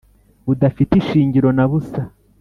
budafite ishingiro na busa